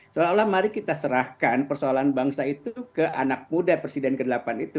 seolah olah mari kita serahkan persoalan bangsa itu ke anak muda presiden ke delapan itu